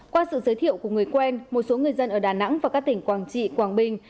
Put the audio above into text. qua sự giới thiệu của người quen một số người dân ở đà nẵng và các tỉnh quảng trị quảng bình